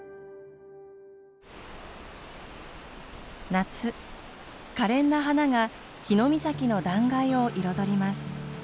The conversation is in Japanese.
夏かれんな花が日御碕の断崖を彩ります。